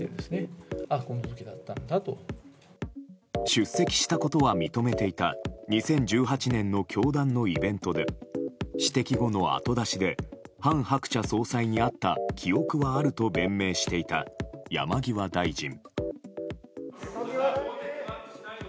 出席したことは認めていた２０１８年の教団のイベントで指摘後の後出しで韓鶴子総裁に会った記憶はあると弁明していた山際大臣。